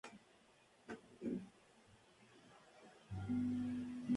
En tanto, Kenneth Eriksson obtuvo seis victorias mundialistas.